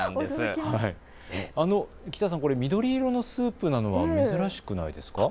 喜多さん、緑色のスープなのは珍しくないですか。